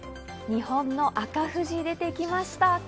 日本の赤富士、出てきました。